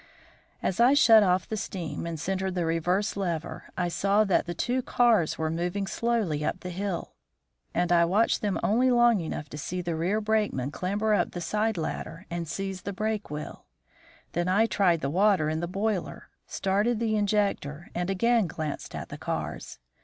As I shut off steam and centred the reverse lever I saw that the two cars were moving slowly down the hill, and I watched them only long enough to see the rear brakeman clamber up the side ladder and seize the brake wheel. Then I tried the water in the boiler, started the injector, and again glanced at the cars.